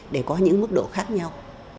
để có những mức độ khác nhau